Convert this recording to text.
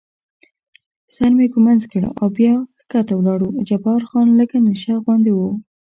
سر مې ږمنځ کړ او بیا کښته ولاړو، جبار خان لږ نشه غوندې و.